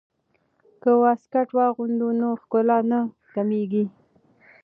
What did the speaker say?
که واسکټ واغوندو نو ښکلا نه کمیږي.